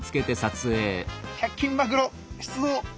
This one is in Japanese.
１００均マクロ出動！